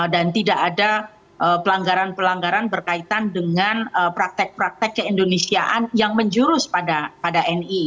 tidak ada pelanggaran pelanggaran berkaitan dengan praktek praktek keindonesiaan yang menjurus pada ni